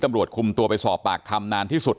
ตำรวจคุมตัวไปสอบปากคำนานที่สุด